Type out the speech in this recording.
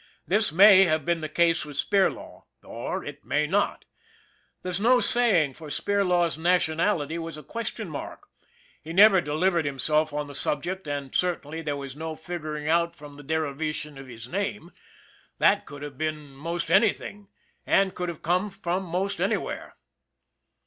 This may have been the case with Spirlaw or it may not. There's no saying, for Spirlaw's nationality was a question mark. He never delivered himself on the sub ject, and, certainly, there was no figuring it out from THE BUILDER 129 the derivation of his name that could have been most anything, and could have come from most anywhere.